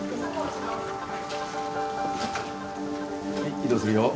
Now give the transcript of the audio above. はい移動するよ。